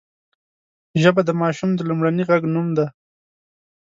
ژبه د ماشوم د لومړني غږ نوم دی